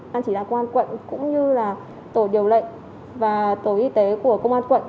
ban chỉ đạo quân quận cũng như là tổ điều lệnh và tổ y tế của công an quận